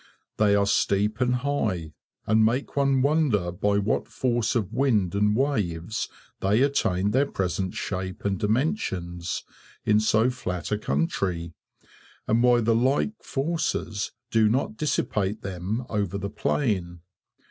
They are steep and high, and make one wonder by what force of wind and waves they attained their present shape and dimensions, in so flat a country, and why the like forces do not dissipate them over the plain.